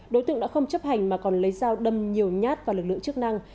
đối tượng đã không chấp hành mà còn lấy dao đâm nhiều nhát vào lực lượng chức năng